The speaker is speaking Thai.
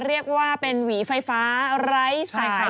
เรียกว่าเป็นหวีไฟฟ้าไร้สายไข่